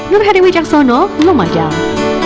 nurhadi wijaksono lumajang